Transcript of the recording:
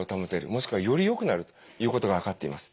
もしくはよりよくなるということが分かっています。